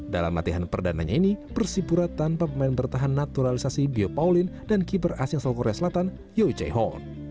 dalam latihan perdana ini persipura tanpa pemain bertahan naturalisasi bio pauline dan keeper asing sel korea selatan yoichai hon